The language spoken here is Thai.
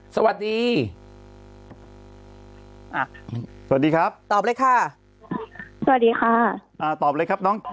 สวัสดีอ่ะสวัสดีครับตอบเลยค่ะสวัสดีค่ะอ่าตอบเลยครับน้อง